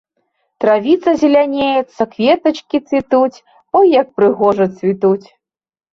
Травіца зелянеецца, кветачкі цвітуць, ой, як прыгожа цвітуць.